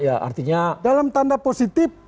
ya artinya dalam tanda positif